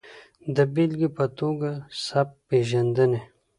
د بېلګې په ټوګه سبک پېژندنې